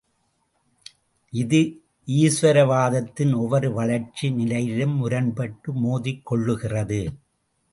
இது ஈஸ்வரவாதத்தின் ஒவ்வொரு வளர்ச்சி நிலையிலும் முரண்பட்டு மோதிக் கொள்ளுகிறது.